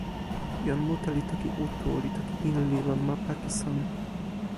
jan mute li toki Utu li toki Inli lon ma Pakisan.